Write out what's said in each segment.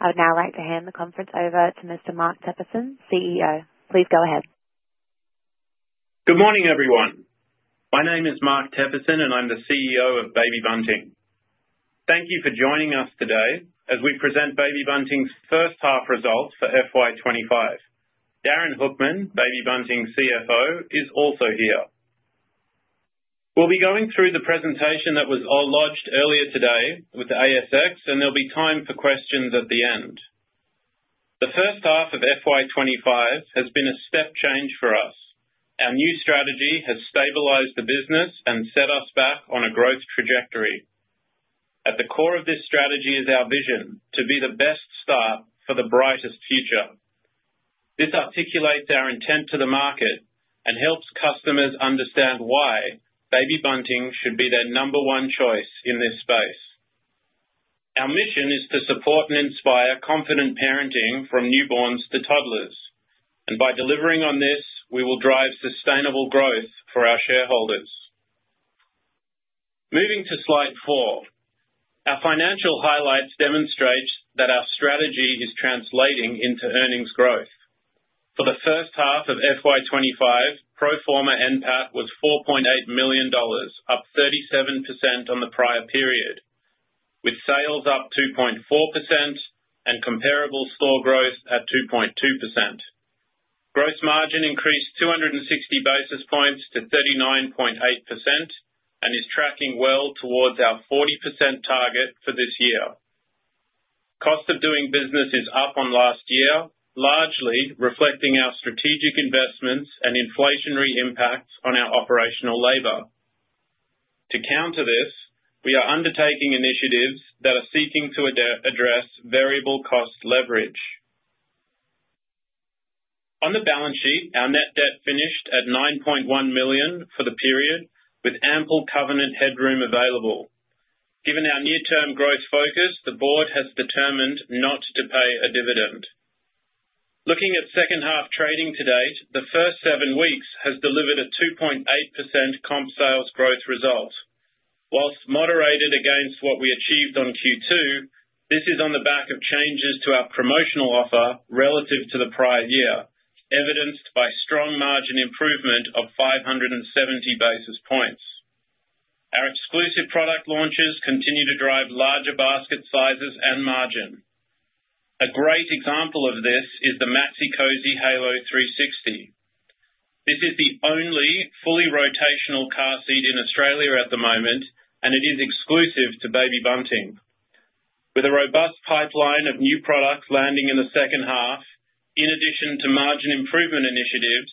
I would now like to hand the conference over to Mr. Mark Teperson, CEO. Please go ahead. Good morning, everyone. My name is Mark Teperson, and I'm the CEO of Baby Bunting. Thank you for joining us today as we present Baby Bunting's first half results for FY25. Darin Hoekman, Baby Bunting's CFO, is also here. We'll be going through the presentation that was lodged earlier today with the ASX, and there'll be time for questions at the end. The first half of FY25 has been a step change for us. Our new strategy has stabilized the business and set us back on a growth trajectory. At the core of this strategy is our vision to be the best start for the brightest future. This articulates our intent to the market and helps customers understand why Baby Bunting should be their number one choice in this space. Our mission is to support and inspire confident parenting from newborns to toddlers, and by delivering on this, we will drive sustainable growth for our shareholders. Moving to slide four, our financial highlights demonstrate that our strategy is translating into earnings growth. For the first half of FY25, pro forma NPAT was 4.8 million dollars, up 37% on the prior period, with sales up 2.4% and comparable store growth at 2.2%. Gross margin increased 260 basis points to 39.8% and is tracking well towards our 40% target for this year. Cost of doing business is up on last year, largely reflecting our strategic investments and inflationary impacts on our operational labor. To counter this, we are undertaking initiatives that are seeking to address variable cost leverage. On the balance sheet, our net debt finished at 9.1 million for the period, with ample covenant headroom available. Given our near-term growth focus, the board has determined not to pay a dividend. Looking at second half trading to date, the first seven weeks has delivered a 2.8% comp sales growth result. Whilst moderated against what we achieved on Q2, this is on the back of changes to our promotional offer relative to the prior year, evidenced by strong margin improvement of 570 basis points. Our exclusive product launches continue to drive larger basket sizes and margin. A great example of this is the Maxi-Cosi Halo 360. This is the only fully rotational car seat in Australia at the moment, and it is exclusive to Baby Bunting. With a robust pipeline of new products landing in the second half, in addition to margin improvement initiatives,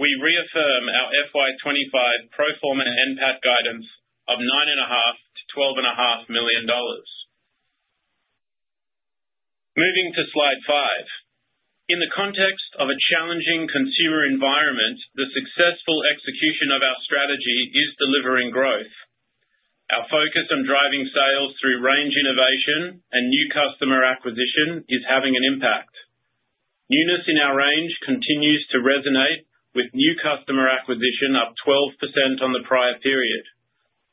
we reaffirm our FY25 pro forma NPAT guidance of AUD 9.5-12.5 million. Moving to slide five. In the context of a challenging consumer environment, the successful execution of our strategy is delivering growth. Our focus on driving sales through range innovation and new customer acquisition is having an impact. Newness in our range continues to resonate with new customer acquisition up 12% on the prior period.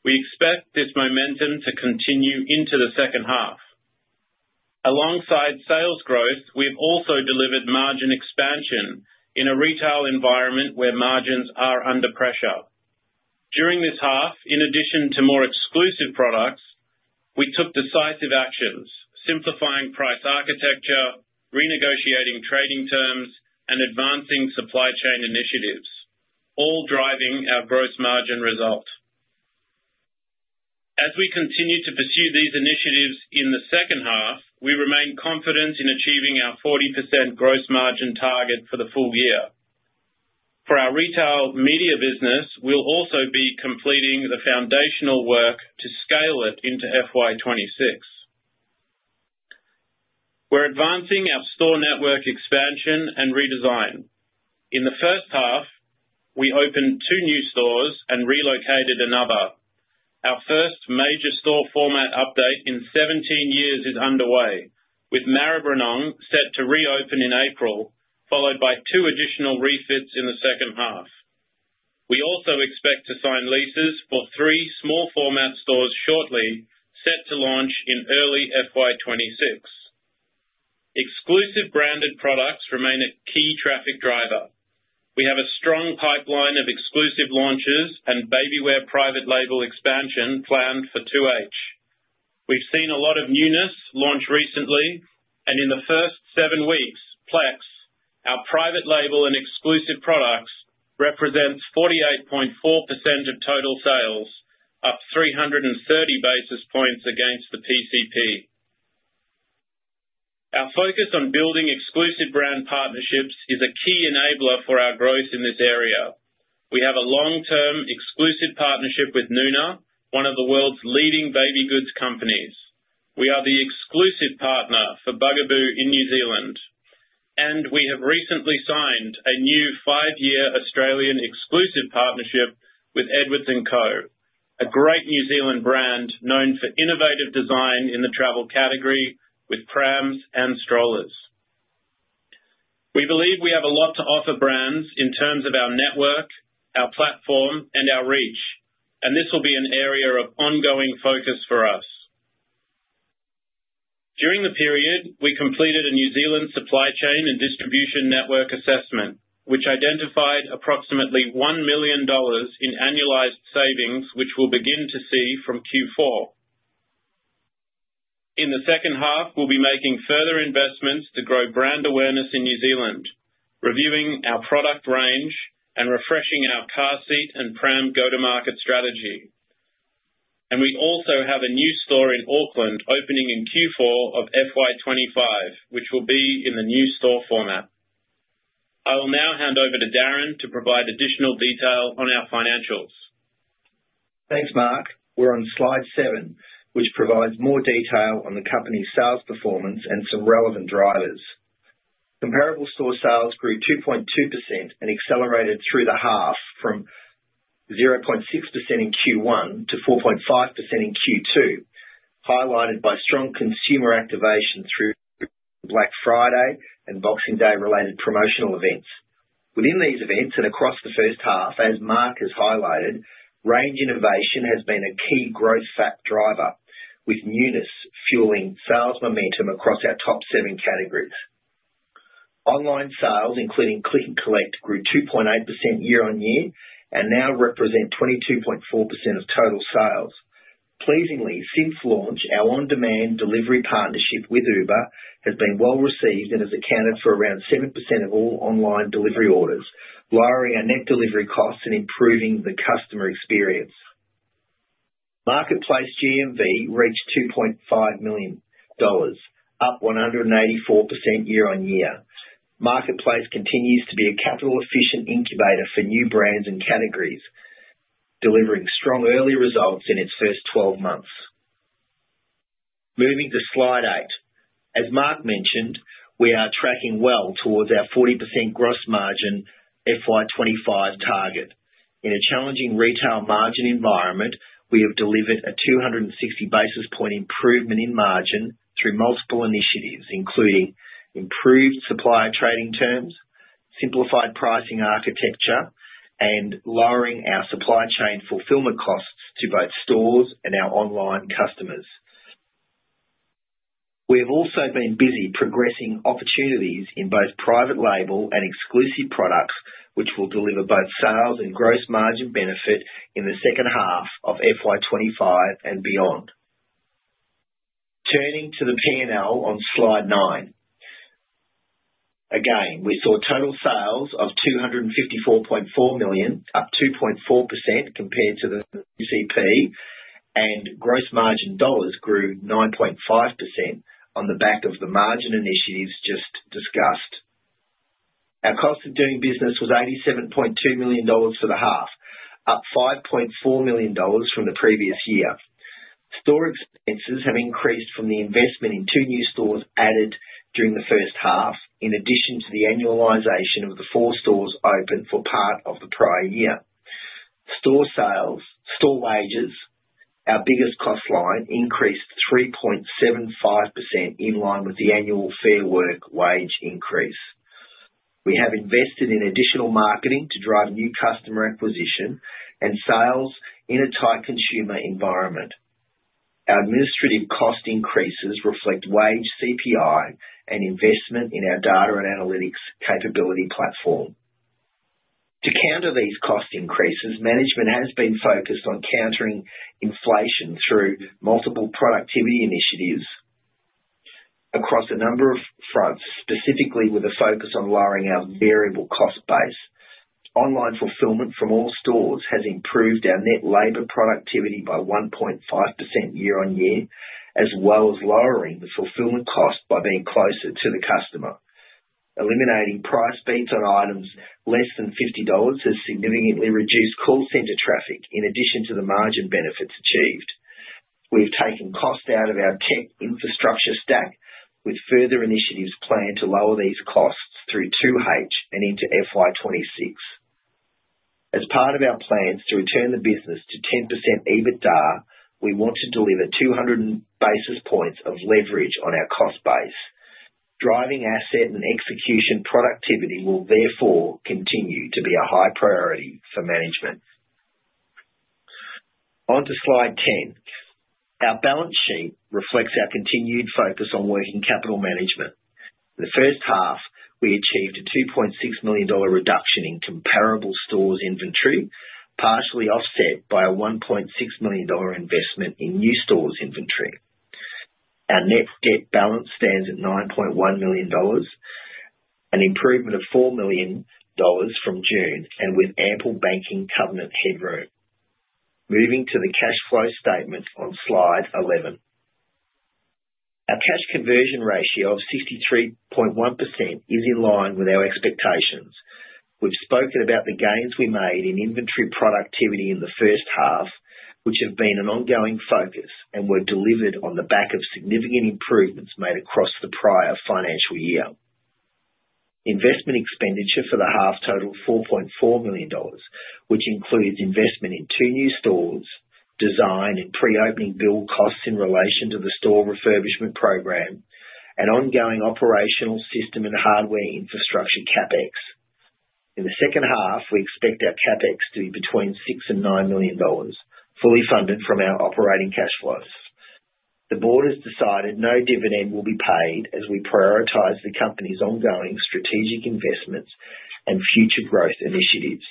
We expect this momentum to continue into the second half. Alongside sales growth, we've also delivered margin expansion in a retail environment where margins are under pressure. During this half, in addition to more exclusive products, we took decisive actions, simplifying price architecture, renegotiating trading terms, and advancing supply chain initiatives, all driving our gross margin result. As we continue to pursue these initiatives in the second half, we remain confident in achieving our 40% gross margin target for the full year. For our retail media business, we'll also be completing the foundational work to scale it into FY26. We're advancing our store network expansion and redesign. In the first half, we opened two new stores and relocated another. Our first major store format update in 17 years is underway, with Maribyrnong set to reopen in April, followed by two additional refits in the second half. We also expect to sign leases for three small format stores shortly, set to launch in early FY26. Exclusive branded products remain a key traffic driver. We have a strong pipeline of exclusive launches and babywear private label expansion planned for 2H. We've seen a lot of newness launch recently, and in the first seven weeks, Plex, our private label and exclusive products, represents 48.4% of total sales, up 330 basis points against the PCP. Our focus on building exclusive brand partnerships is a key enabler for our growth in this area. We have a long-term exclusive partnership with Nuna, one of the world's leading baby goods companies. We are the exclusive partner for Bugaboo in New Zealand, and we have recently signed a new five-year Australian exclusive partnership with Edwards & Co., a great New Zealand brand known for innovative design in the travel category with prams and strollers. We believe we have a lot to offer brands in terms of our network, our platform, and our reach, and this will be an area of ongoing focus for us. During the period, we completed a New Zealand supply chain and distribution network assessment, which identified approximately 1 million dollars in annualized savings, which we'll begin to see from Q4. In the second half, we'll be making further investments to grow brand awareness in New Zealand, reviewing our product range and refreshing our car seat and pram go-to-market strategy. We also have a new store in Auckland opening in Q4 of FY25, which will be in the new store format. I will now hand over to Darin to provide additional detail on our financials. Thanks, Mark. We're on slide seven, which provides more detail on the company's sales performance and some relevant drivers. Comparable store sales grew 2.2% and accelerated through the half from 0.6% in Q1 to 4.5% in Q2, highlighted by strong consumer activation through Black Friday and Boxing Day-related promotional events. Within these events and across the first half, as Mark has highlighted, range innovation has been a key growth driver, with newness fueling sales momentum across our top seven categories. Online sales, including Click and Collect, grew 2.8% year-on-year and now represent 22.4% of total sales. Pleasingly, since launch, our on-demand delivery partnership with Uber has been well received and has accounted for around 7% of all online delivery orders, lowering our net delivery costs and improving the customer experience. Marketplace GMV reached 2.5 million dollars, up 184% year-on-year. Marketplace continues to be a capital-efficient incubator for new brands and categories, delivering strong early results in its first 12 months. Moving to slide eight. As Mark mentioned, we are tracking well towards our 40% gross margin FY25 target. In a challenging retail margin environment, we have delivered a 260 basis point improvement in margin through multiple initiatives, including improved supplier trading terms, simplified pricing architecture, and lowering our supply chain fulfillment costs to both stores and our online customers. We have also been busy progressing opportunities in both private label and exclusive products, which will deliver both sales and gross margin benefit in the second half of FY25 and beyond. Turning to the P&L on slide nine. Again, we saw total sales of 254.4 million, up 2.4% compared to the PCP, and gross margin dollars grew 9.5% on the back of the margin initiatives just discussed. Our cost of doing business was 87.2 million dollars for the half, up 5.4 million dollars from the previous year. Store expenses have increased from the investment in two new stores added during the first half, in addition to the annualization of the four stores opened for part of the prior year. Store sales, store wages, our biggest cost line, increased 3.75% in line with the annual fair work wage increase. We have invested in additional marketing to drive new customer acquisition and sales in a tight consumer environment. Our administrative cost increases reflect wage CPI and investment in our data and analytics capability platform. To counter these cost increases, management has been focused on countering inflation through multiple productivity initiatives across a number of fronts, specifically with a focus on lowering our variable cost base. Online fulfillment from all stores has improved our net labor productivity by 1.5% year-on-year, as well as lowering the fulfillment cost by being closer to the customer. Eliminating price beats on items less than 50 dollars has significantly reduced call center traffic, in addition to the margin benefits achieved. We've taken cost out of our tech infrastructure stack, with further initiatives planned to lower these costs through 2H and into FY26. As part of our plans to return the business to 10% EBITDA, we want to deliver 200 basis points of leverage on our cost base. Driving asset and execution productivity will therefore continue to be a high priority for management. On to slide ten. Our balance sheet reflects our continued focus on working capital management. In the first half, we achieved an 2.6 million dollar reduction in comparable stores inventory, partially offset by an 1.6 million dollar investment in new stores inventory. Our net debt balance stands at 9.1 million dollars, an improvement of 4 million dollars from June, and with ample banking covenant headroom. Moving to the cash flow statement on Slide 11. Our cash conversion ratio of 63.1% is in line with our expectations. We've spoken about the gains we made in inventory productivity in the first half, which have been an ongoing focus and were delivered on the back of significant improvements made across the prior financial year. Investment expenditure for the half totaled 4.4 million dollars, which includes investment in two new stores, design and pre-opening build costs in relation to the store refurbishment program, and ongoing operational system and hardware infrastructure CapEx. In the second half, we expect our CapEx to be between 6 million-9 million dollars, fully funded from our operating cash flows. The board has decided no dividend will be paid as we prioritize the company's ongoing strategic investments and future growth initiatives.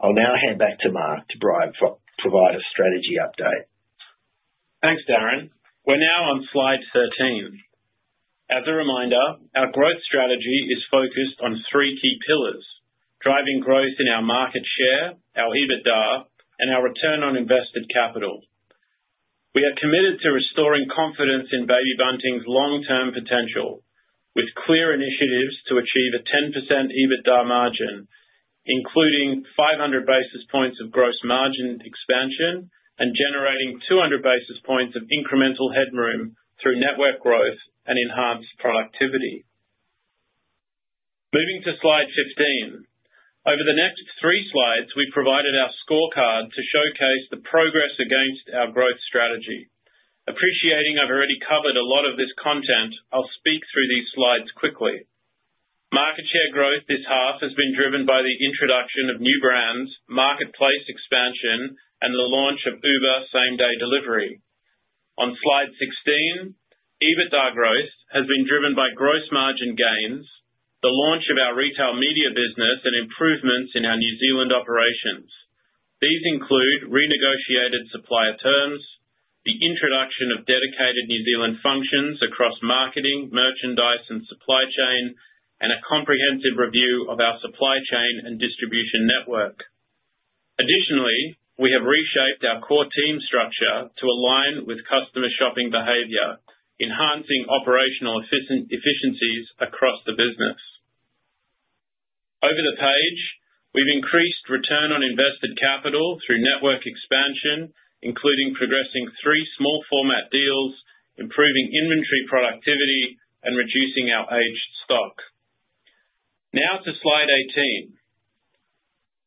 I'll now hand back to Mark to provide a strategy update. Thanks, Darin. We're now on Slide 13. As a reminder, our growth strategy is focused on three key pillars: driving growth in our market share, our EBITDA, and our return on invested capital. We are committed to restoring confidence in Baby Bunting's long-term potential, with clear initiatives to achieve a 10% EBITDA margin, including 500 basis points of gross margin expansion and generating 200 basis points of incremental headroom through network growth and enhanced productivity. Moving to slide 15. Over the next three slides, we provided our scorecard to showcase the progress against our growth strategy. Appreciating I've already covered a lot of this content, I'll speak through these slides quickly. Market share growth this half has been driven by the introduction of new brands, marketplace expansion, and the launch of Uber same-day delivery. On Slide 16, EBITDA growth has been driven by gross margin gains, the launch of our retail media business, and improvements in our New Zealand operations. These include renegotiated supplier terms, the introduction of dedicated New Zealand functions across marketing, merchandise, and supply chain, and a comprehensive review of our supply chain and distribution network. Additionally, we have reshaped our core team structure to align with customer shopping behavior, enhancing operational efficiencies across the business. Over the page, we've increased return on invested capital through network expansion, including progressing three small format deals, improving inventory productivity, and reducing our aged stock. Now to Slide 18.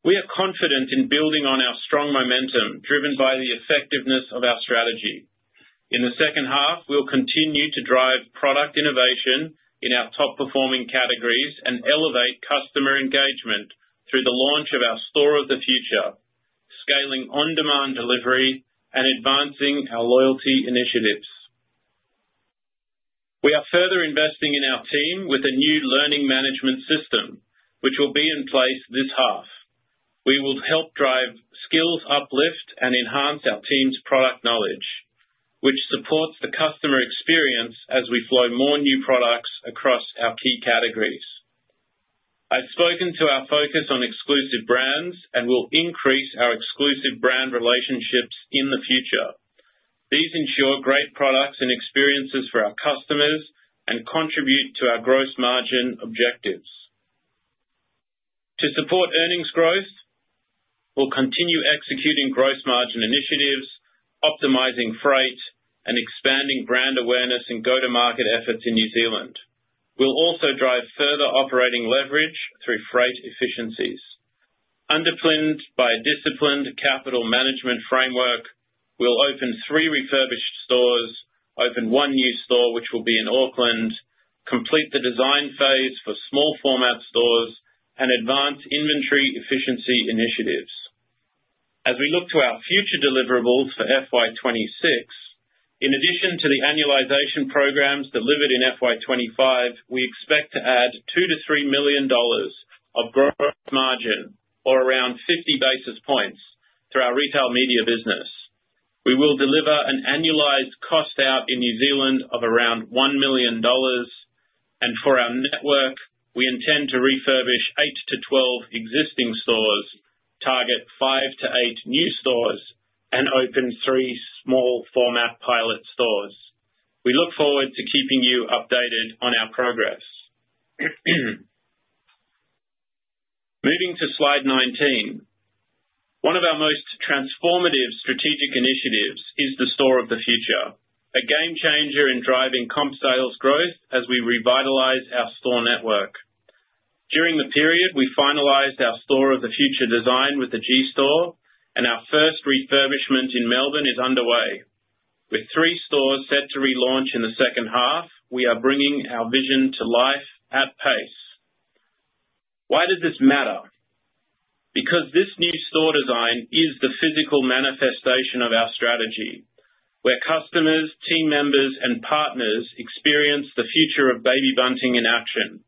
We are confident in building on our strong momentum driven by the effectiveness of our strategy. In the second half, we'll continue to drive product innovation in our top-performing categories and elevate customer engagement through the launch of our Store of the Future, scaling on-demand delivery and advancing our loyalty initiatives. We are further investing in our team with a new learning management system, which will be in place this half. We will help drive skills uplift and enhance our team's product knowledge, which supports the customer experience as we flow more new products across our key categories. I've spoken to our focus on exclusive brands and will increase our exclusive brand relationships in the future. These ensure great products and experiences for our customers and contribute to our gross margin objectives. To support earnings growth, we'll continue executing gross margin initiatives, optimizing freight, and expanding brand awareness and go-to-market efforts in New Zealand. We'll also drive further operating leverage through freight efficiencies. Underpinned by a disciplined capital management framework, we'll open three refurbished stores, open one new store, which will be in Auckland, complete the design phase for small format stores, and advance inventory efficiency initiatives. As we look to our future deliverables for FY26, in addition to the annualization programs delivered in FY25, we expect to add 2-3 million dollars of gross margin, or around 50 basis points, to our retail media business. We will deliver an annualized cost out in New Zealand of around 1 million dollars. For our network, we intend to refurbish 8-12 existing stores, target 5-8 new stores, and open three small format pilot stores. We look forward to keeping you updated on our progress. Moving to Slide 19. One of our most transformative strategic initiatives is the Store of the Future, a game changer in driving comp sales growth as we revitalize our store network. During the period, we finalized our Store of the Future design with the G store, and our first refurbishment in Melbourne is underway. With three stores set to relaunch in the second half, we are bringing our vision to life at pace. Why does this matter? Because this new store design is the physical manifestation of our strategy, where customers, team members, and partners experience the future of Baby Bunting in action.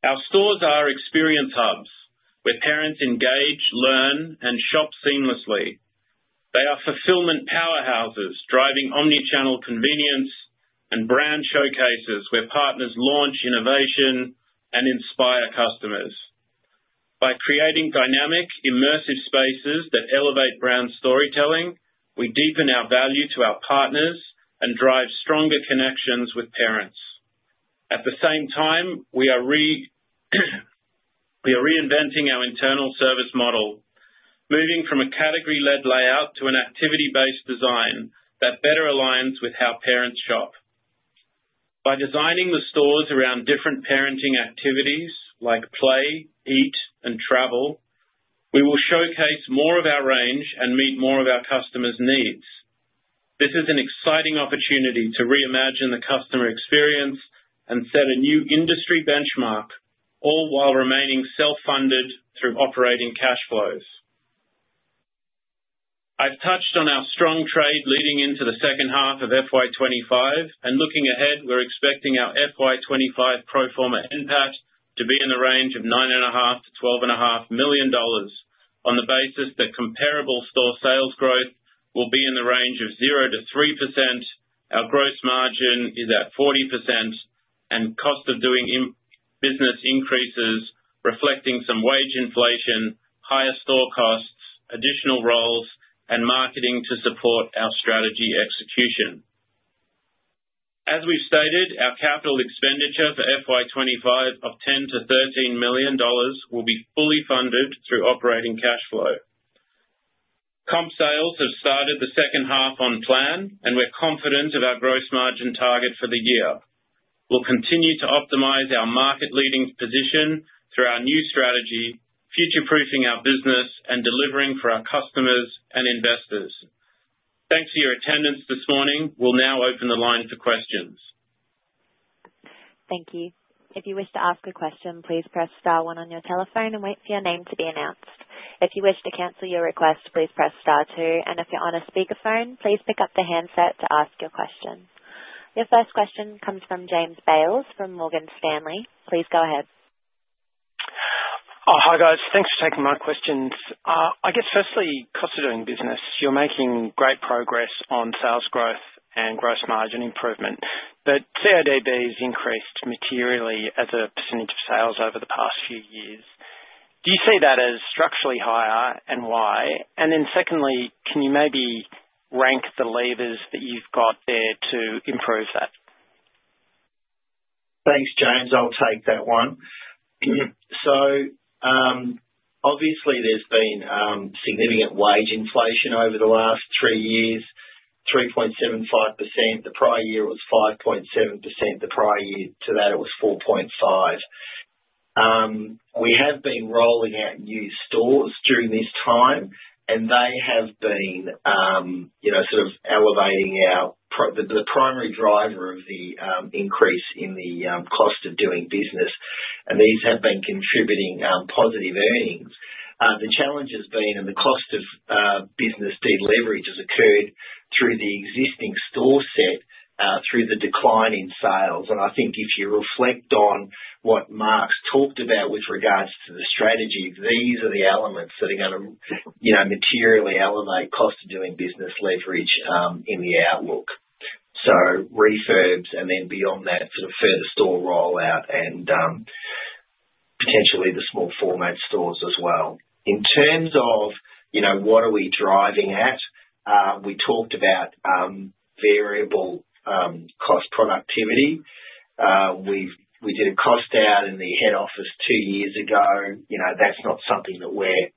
Our stores are experience hubs where parents engage, learn, and shop seamlessly. They are fulfillment powerhouses driving omnichannel convenience and brand showcases where partners launch innovation and inspire customers. By creating dynamic, immersive spaces that elevate brand storytelling, we deepen our value to our partners and drive stronger connections with parents. At the same time, we are reinventing our internal service model, moving from a category-led layout to an activity-based design that better aligns with how parents shop. By designing the stores around different parenting activities like play, eat, and travel, we will showcase more of our range and meet more of our customers' needs. This is an exciting opportunity to reimagine the customer experience and set a new industry benchmark, all while remaining self-funded through operating cash flows. I've touched on our strong trade leading into the second half of FY25, and looking ahead, we're expecting our FY25 pro forma impact to be in the range of 9.5 million-12.5 million dollars on the basis that comparable store sales growth will be in the range of 0-3%, our gross margin is at 40%, and cost of doing business increases, reflecting some wage inflation, higher store costs, additional roles, and marketing to support our strategy execution. As we've stated, our capital expenditure for FY25 of 10 million-13 million dollars will be fully funded through operating cash flow. Comp sales have started the second half on plan, and we're confident of our gross margin target for the year. We'll continue to optimize our market-leading position through our new strategy, future-proofing our business, and delivering for our customers and investors. Thanks for your attendance this morning. We'll now open the line for questions. Thank you. If you wish to ask a question, please press star one on your telephone and wait for your name to be announced. If you wish to cancel your request, please press star two. If you're on a speakerphone, please pick up the handset to ask your question. Your first question comes from James Bales from Morgan Stanley. Please go ahead. Hi, guys. Thanks for taking my questions. I guess, firstly, cost of doing business. You're making great progress on sales growth and gross margin improvement, but CODB has increased materially as a percentage of sales over the past few years. Do you see that as structurally higher and why? Secondly, can you maybe rank the levers that you've got there to improve that? Thanks, James. I'll take that one. Obviously, there's been significant wage inflation over the last three years, 3.75%. The prior year was 5.7%. The prior year to that, it was 4.5%. We have been rolling out new stores during this time, and they have been sort of elevating the primary driver of the increase in the cost of doing business, and these have been contributing positive earnings. The challenge has been in the cost of business delivery, which has occurred through the existing store set, through the decline in sales. I think if you reflect on what Mark's talked about with regards to the strategy, these are the elements that are going to materially elevate cost of doing business leverage in the outlook. Refurbs and then beyond that, sort of further store rollout and potentially the small format stores as well. In terms of what are we driving at, we talked about variable cost productivity. We did a cost out in the head office two years ago. That's not something that we're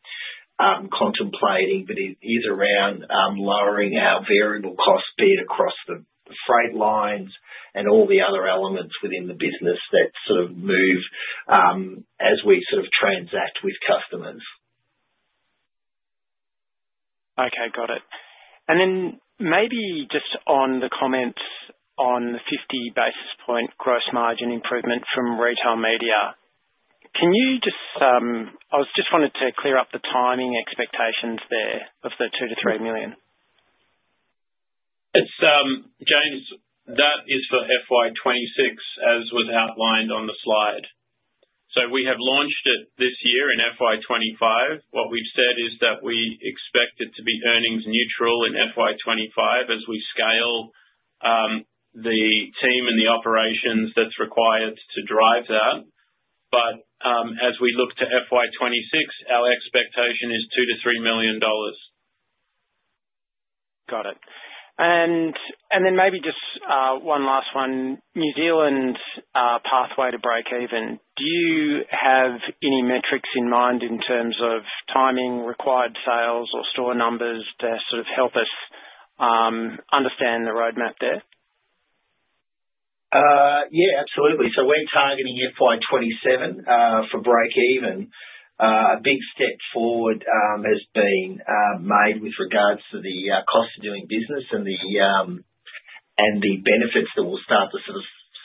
contemplating, but it is around lowering our variable cost bid across the freight lines and all the other elements within the business that sort of move as we sort of transact with customers. Okay. Got it. Maybe just on the comments on the 50 basis point gross margin improvement from retail media, can you just—I just wanted to clear up the timing expectations there of the 2 million-3 million. James, that is for FY26, as was outlined on the slide. We have launched it this year in FY25. What we've said is that we expect it to be earnings neutral in FY25 as we scale the team and the operations that's required to drive that. As we look to FY26, our expectation is 2 million-3 million dollars. Got it. Maybe just one last one. New Zealand pathway to break even, do you have any metrics in mind in terms of timing, required sales, or store numbers to sort of help us understand the roadmap there? Yeah, absolutely. We're targeting FY27 for break even. A big step forward has been made with regards to the cost of doing business and the benefits that we'll start to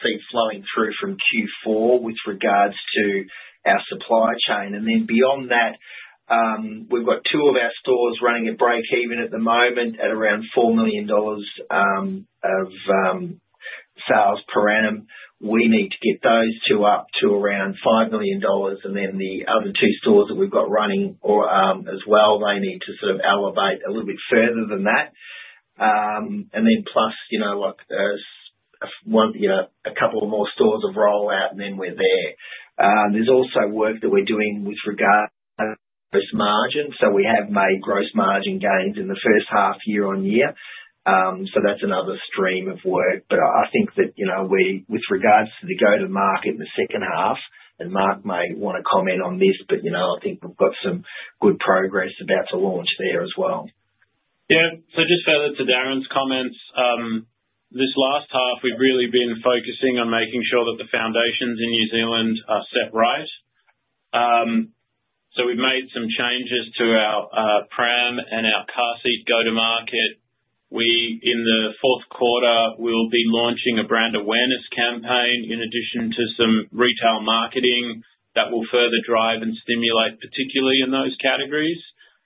see flowing through from Q4 with regards to our supply chain. Beyond that, we've got two of our stores running at break even at the moment at around 4 million dollars of sales per annum. We need to get those two up to around 5 million dollars. The other two stores that we've got running as well, they need to elevate a little bit further than that. Plus a couple more stores of rollout, and then we're there. There's also work that we're doing with regards to gross margin. We have made gross margin gains in the first half year on year. That's another stream of work. I think that with regards to the go-to-market in the second half, and Mark may want to comment on this, but I think we've got some good progress about to launch there as well. Yeah. Just further to Darin's comments, this last half, we've really been focusing on making sure that the foundations in New Zealand are set right. We've made some changes to our pram and our car seat go-to-market. In the fourth quarter, we'll be launching a brand awareness campaign in addition to some retail marketing that will further drive and stimulate, particularly in those categories.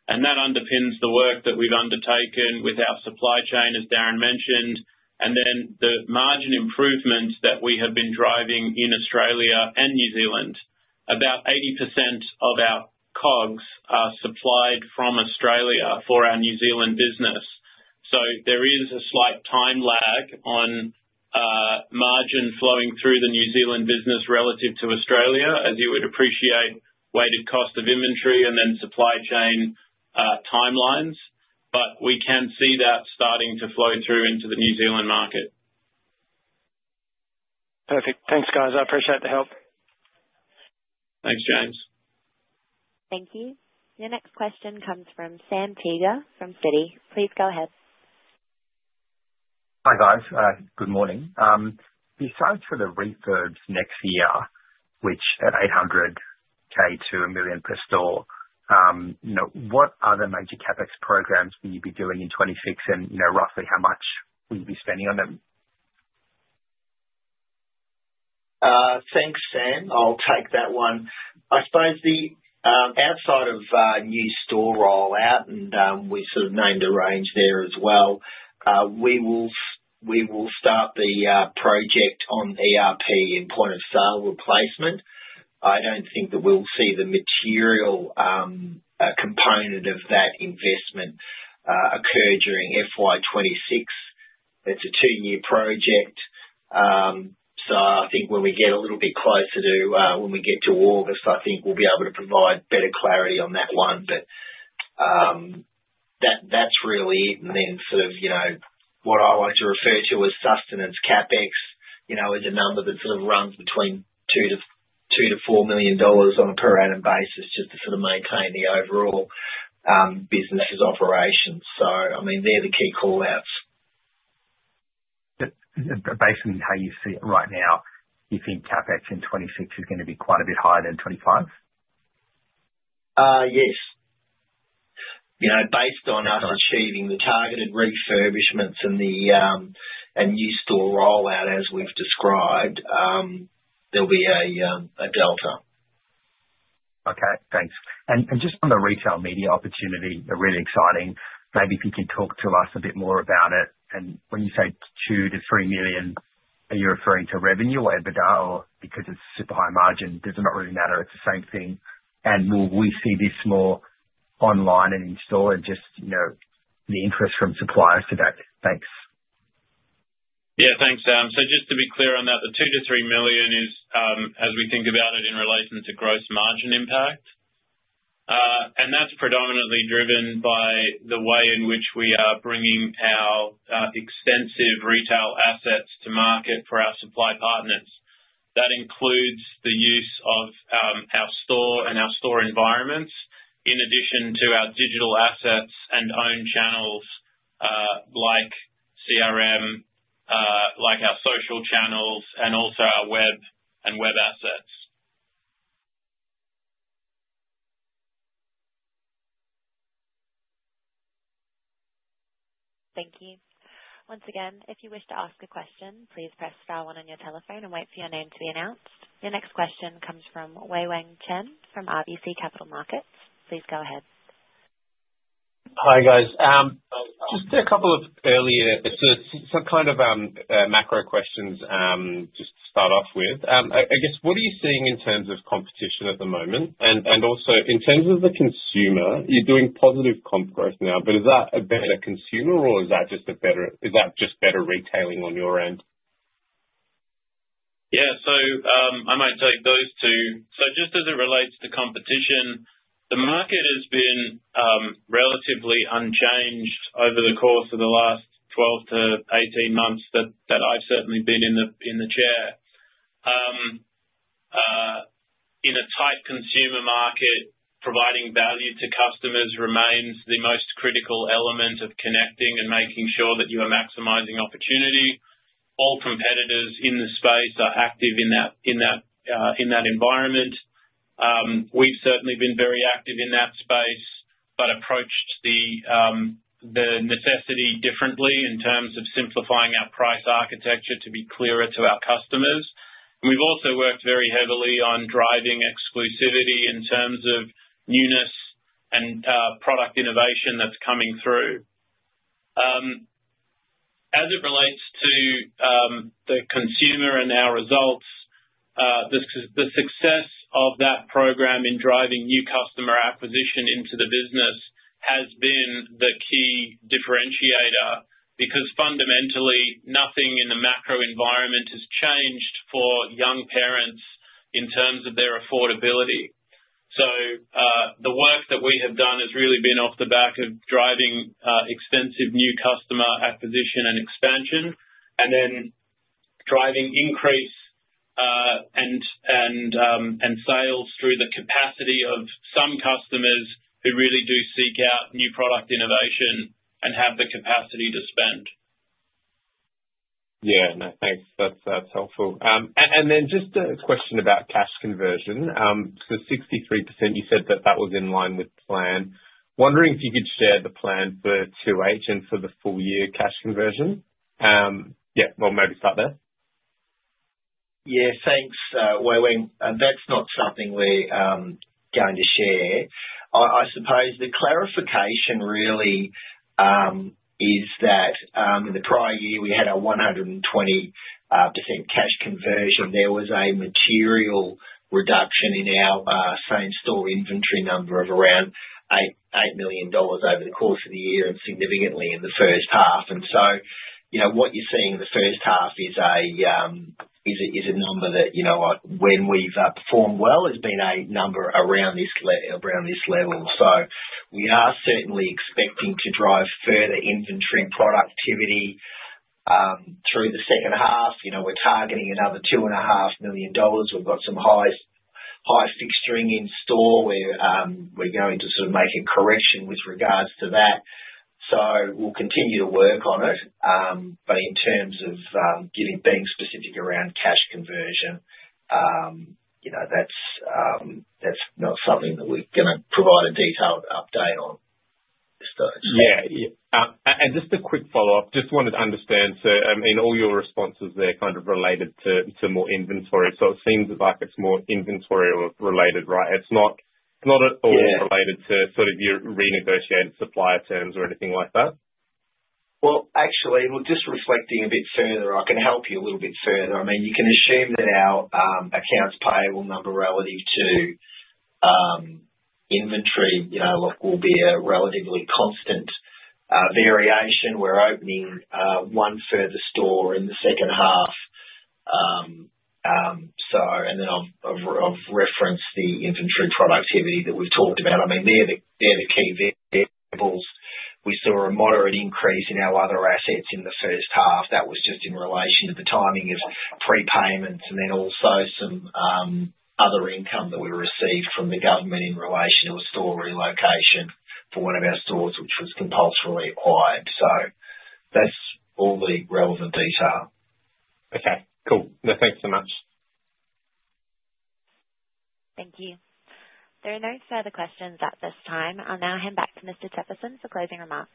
That underpins the work that we've undertaken with our supply chain, as Darin mentioned. The margin improvements that we have been driving in Australia and New Zealand, about 80% of our cogs are supplied from Australia for our New Zealand business. There is a slight time lag on margin flowing through the New Zealand business relative to Australia, as you would appreciate weighted cost of inventory and then supply chain timelines. We can see that starting to flow through into the New Zealand market. Perfect. Thanks, guys. I appreciate the help. Thanks, James. Thank you. Your next question comes from Sam Teeger from Citi. Please go ahead. Hi, guys. Good morning. Besides for the refurbs next year, which at 800,000-1 million per store, what other major CapEx programs will you be doing in 2026, and roughly how much will you be spending on them? Thanks, Sam. I'll take that one. I suppose outside of new store rollout, and we sort of named a range there as well, we will start the project on ERP in point of sale replacement. I do not think that we'll see the material component of that investment occur during FY26. It's a two-year project. I think when we get a little bit closer to when we get to August, I think we'll be able to provide better clarity on that one. That is really it. What I like to refer to as sustenance CapEx is a number that sort of runs between 2 million-4 million dollars on a per annum basis just to maintain the overall business's operations. I mean, they are the key callouts. Based on how you see it right now, you think CapEx in 2026 is going to be quite a bit higher than 2025? Yes. Based on us achieving the targeted refurbishments and new store rollout, as we've described, there will be a delta. Okay. Thanks. Just on the retail media opportunity, really exciting. Maybe if you can talk to us a bit more about it. When you say 2 million-3 million, are you referring to revenue or EBITDA? Because it's super high margin, it does not really matter. It's the same thing. Will we see this more online and in store and just the interest from suppliers to that? Thanks. Yeah. Thanks, Sam. Just to be clear on that, the $2 million-$3 million is, as we think about it, in relation to gross margin impact. That is predominantly driven by the way in which we are bringing our extensive retail assets to market for our supply partners. That includes the use of our store and our store environments in addition to our digital assets and own channels like CRM, like our social channels, and also our web and web assets. Thank you. Once again, if you wish to ask a question, please press star one on your telephone and wait for your name to be announced. Your next question comes from Wei-Weng Chen from RBC Capital Markets. Please go ahead. Hi, guys. Just a couple of earlier sort of macro questions just to start off with. I guess, what are you seeing in terms of competition at the moment? Also in terms of the consumer, you're doing positive comp growth now, but is that a better consumer or is that just better retailing on your end? Yeah. I might take those two. Just as it relates to competition, the market has been relatively unchanged over the course of the last 12 to 18 months that I've certainly been in the chair. In a tight consumer market, providing value to customers remains the most critical element of connecting and making sure that you are maximizing opportunity. All competitors in the space are active in that environment. We've certainly been very active in that space but approached the necessity differently in terms of simplifying our price architecture to be clearer to our customers. We've also worked very heavily on driving exclusivity in terms of newness and product innovation that's coming through. As it relates to the consumer and our results, the success of that program in driving new customer acquisition into the business has been the key differentiator because fundamentally, nothing in the macro environment has changed for young parents in terms of their affordability. The work that we have done has really been off the back of driving extensive new customer acquisition and expansion and then driving increase in sales through the capacity of some customers who really do seek out new product innovation and have the capacity to spend. Yeah. No, thanks. That's helpful. Just a question about cash conversion. 63%, you said that that was in line with the plan. Wondering if you could share the plan for 2H and for the full-year cash conversion. Yeah. Maybe start there. Yeah. Thanks, Wei-Weng. That's not something we're going to share. I suppose the clarification really is that in the prior year, we had a 120% cash conversion. There was a material reduction in our same store inventory number of around 8 million dollars over the course of the year and significantly in the first half. What you're seeing in the first half is a number that when we've performed well, it's been a number around this level. We are certainly expecting to drive further inventory productivity through the second half. We're targeting another 2.5 million dollars. We've got some high fixturing in store. We're going to sort of make a correction with regards to that. We'll continue to work on it. In terms of being specific around cash conversion, that's not something that we're going to provide a detailed update on. Yeah. Just a quick follow-up. I just wanted to understand. I mean, all your responses there kind of related to more inventory. It seems like it is more inventory related, right? It is not at all related to sort of your renegotiated supply terms or anything like that? Actually, just reflecting a bit further, I can help you a little bit further. I mean, you can assume that our accounts payable number relative to inventory will be a relatively constant variation. We're opening one further store in the second half. I have referenced the inventory productivity that we've talked about. I mean, they're the key variables. We saw a moderate increase in our other assets in the first half. That was just in relation to the timing of prepayments and then also some other income that we received from the government in relation to a store relocation for one of our stores, which was compulsorily acquired. That's all the relevant detail. Okay. Cool. No, thanks so much. Thank you. There are no further questions at this time. I'll now hand back to Mr. Teperson for closing remarks.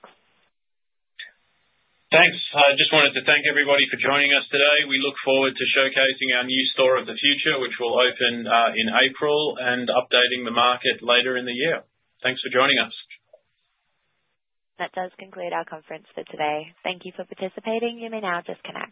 Thanks. I just wanted to thank everybody for joining us today. We look forward to showcasing our new Store of the Future, which will open in April, and updating the market later in the year. Thanks for joining us. That does conclude our conference for today. Thank you for participating. You may now disconnect.